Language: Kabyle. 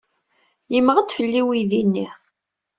Yemmeɣ-d fell-i uydi-nni.